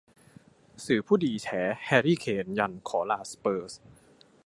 สื่อผู้ดี แฉ แฮร์รี่ เคน ยันขอลา สเปอร์ส